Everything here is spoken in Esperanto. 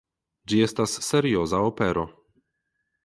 Ĝi estas serioza opero.